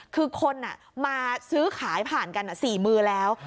คือคนมาซื้อขายผ่านกัน๔มือแล้ว